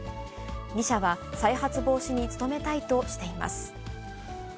２社は再発防止に努めたいとしています。